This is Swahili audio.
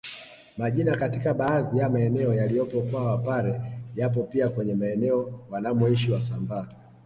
Majina katika baadhi ya maeneo yaliyopo kwa Wapare yapo pia kwenye maeneo wanamoishi wasambaa